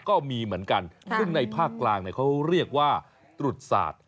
ก็มีเหมือนกันซึ่งในภาคกลางเขาเรียกว่าตรุษศาสตร์